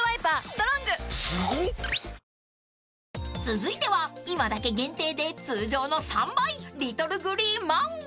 ［続いては今だけ限定で通常の３倍リトルグリーンまん］